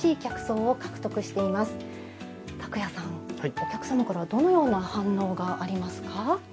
お客様からはどのような反応がありますか？